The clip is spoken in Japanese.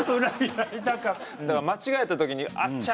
だから、間違えた時にあっちゃ！